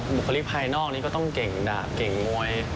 บุคลิกภายนอกนี้ก็ต้องเก่งดาบเก่งมวย